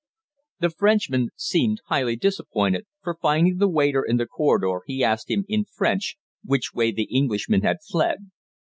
The Frenchman seemed highly disappointed, for finding the waiter in the corridor he asked him in French which way the Englishman had fled.